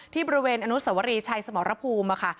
ที่บริเวณอนุสวรีชัยสมรภูมิค่ะ